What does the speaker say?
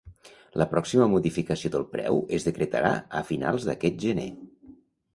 La pròxima modificació del preu es decretarà a finals d’aquest gener.